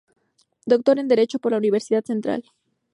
Doctor en derecho por la Universidad Central.